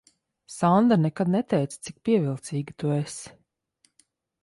Sanda nekad neteica, cik pievilcīga tu esi.